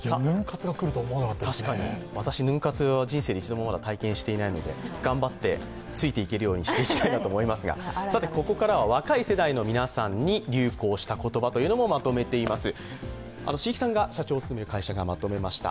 私、ヌン活は人生で一度もまだ経験していないので頑張ってついていけるようにしていきたいなと思いますがここからは若い世代の皆さんに流行した言葉もまとめています。